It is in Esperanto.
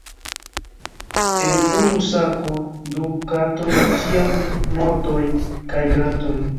En unu sako du katoj, ĉiam mordoj kaj gratoj.